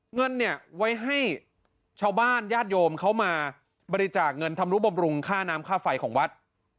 เงินเนี่ยไว้ให้ชาวบ้านญาติโยมเขามาบริจาคเงินทำรู้บำรุงค่าน้ำค่าไฟของวัด